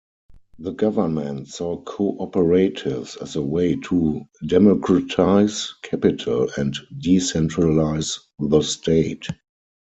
The government saw cooperatives as a way to democratize capital and decentralize the state.